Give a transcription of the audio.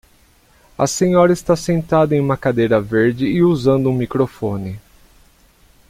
A senhora está sentada em uma cadeira verde e usando um microfone.